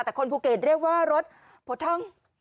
แต่คนภูเก็ตเรียกว่ารถโพท่อง